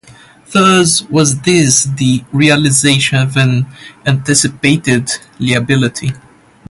Thus, Was this the realisation of an anticipated liability?